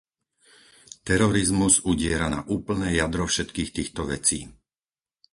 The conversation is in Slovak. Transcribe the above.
Terorizmus udiera na úplné jadro všetkých týchto vecí.